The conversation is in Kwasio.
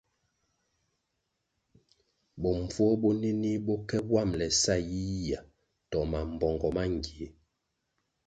Bombvuo bonenih bo ke wambʼle sa yiyihya to mambpongo mangie,